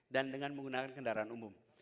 dan dengan menggunakan kendaraan umum